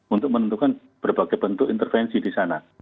untuk menentukan berbagai bentuk intervensi di sana